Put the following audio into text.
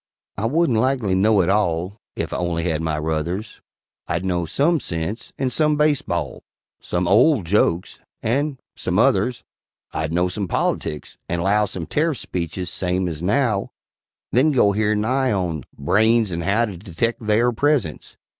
I wouldn't likely know it all Ef I only had my ruthers; I'd know some sense, and some base ball Some old jokes, and some others: I'd know some politics, and 'low Some tarif speeches same as now, Then go hear Nye on "Branes and How To Detect Theyr Presence."